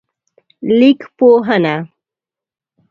لیکپوهنه